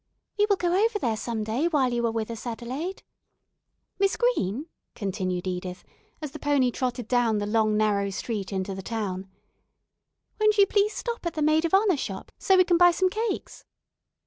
"We will go over there some day while you are with us, Adelaide." "Miss Green," continued Edith, as the pony trotted down the long, narrow street into the town, "won't you please stop at the 'Maid of Honor' shop, so we can buy some cakes?"